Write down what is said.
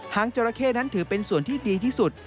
งจราเข้นั้นถือเป็นส่วนที่ดีที่สุด